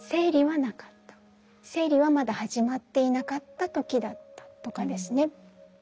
生理はまだ始まっていなかった時だったとかですね。